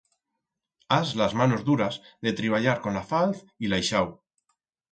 Has las manos duras de triballar con la falz y l'aixau.